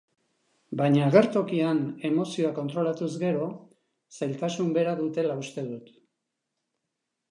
Baina agertokian emozioa kontrolatuz gero, zailtasun bera dutela uste dut.